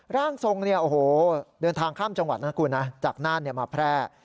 ร่างทรงเดินทางข้ามจังหวัดนะคุณนะจากน่านมาแพร่